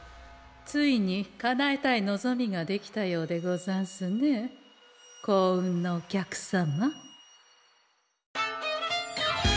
ついにかなえたい望みができたようでござんすね幸運のお客様。